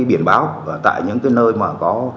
biển báo tại những cái nơi mà có